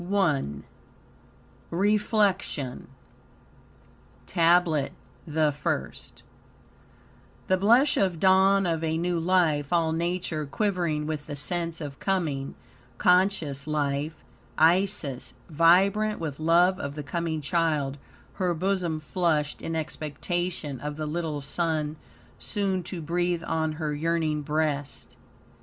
I REFLECTION TABLET THE FIRST The blush of dawn of a new life, all nature quivering with the sense of coming, conscious life; Isis, vibrant with love of the coming child, her bosom flushed in expectation of the little son soon to breathe on her yearning breast.